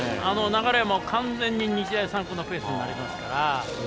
流れは完全に日大三高のペースになりますから。